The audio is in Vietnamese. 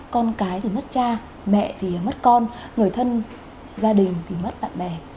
con cái thì mất cha mẹ thì mất con người thân gia đình thì mất bạn bè